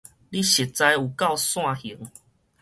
你實在有夠散形